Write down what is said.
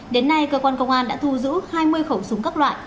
đến nay cơ quan công an đã thu giữ hai mươi khẩu súng các loại